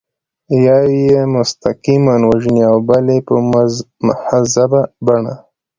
یو یې مستقیماً وژني او بل یې په مهذبه بڼه.